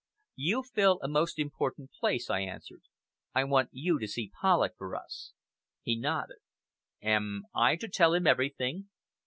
"You fill a most important place," I answered. "I want you to see Polloch for us." He nodded. "Am. I to tell him everything?"